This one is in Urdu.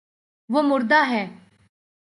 وہ مردا ہے